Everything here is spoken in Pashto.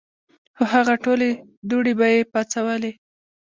خو هغه ټولې دوړې به ئې پاڅولې ـ